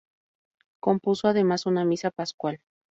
Compuso además una misa pascual.